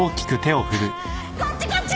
こっちこっち！